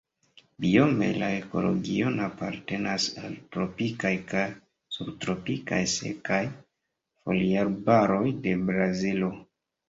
Biome la ekoregiono apartenas al tropikaj kaj subtropikaj sekaj foliarbaroj de Brazilo.